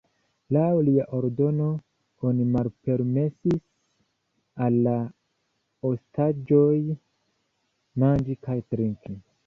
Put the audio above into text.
Laŭ lia ordono oni malpermesis al la ostaĝoj manĝi kaj trinki.